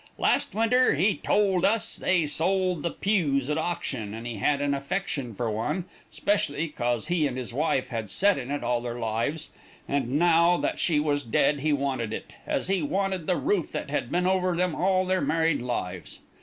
Last winter, he told us, they sold the pews at auction, and he had an affection for one, 'specially 'cause he and his wife had set in it all their lives, and now that she was dead he wanted it, as he wanted the roof that had been over them all their married lives.